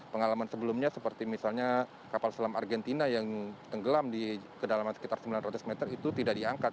pengalaman sebelumnya seperti misalnya kapal selam argentina yang tenggelam di kedalaman sekitar sembilan ratus meter itu tidak diangkat